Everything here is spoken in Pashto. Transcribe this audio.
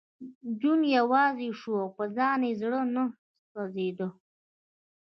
جون یوازې شو او په ځان یې زړه نه سېزېده